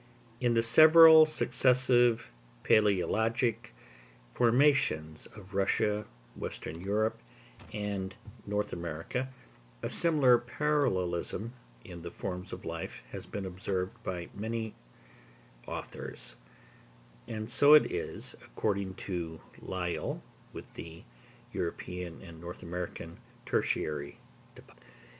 In the several successive palæozoic formations of Russia, Western Europe and North America, a similar parallelism in the forms of life has been observed by several authors; so it is, according to Lyell, with the European and North American tertiary deposits.